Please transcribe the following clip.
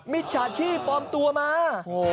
มิจฉาชีพปลอมตัวมา